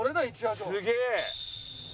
すげえ！